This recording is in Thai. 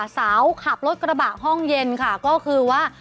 ขับรถกระบะห้องเย็นค่ะก็คือว่า